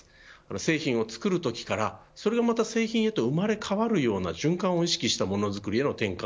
製品を作るときからそれがまた製品へと生まれ変わるような循環を意識したものづくりへの転換